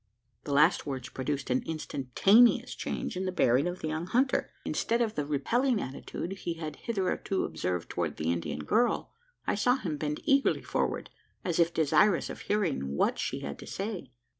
The last words produced an instantaneous change in the bearing of the young hunter. Instead of the repelling attitude, he had hitherto observed towards the Indian girl, I saw him bend eagerly forward as if desirous of hearing what she had to say.